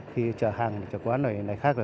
khi chở hàng chở quán này khác